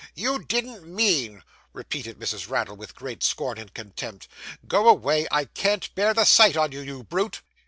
'You didn't mean!' repeated Mrs. Raddle, with great scorn and contempt. 'Go away. I can't bear the sight on you, you brute.